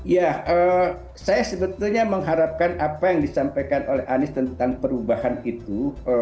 ya saya sebetulnya mengharapkan apa yang disampaikan oleh anies tentang perubahan itu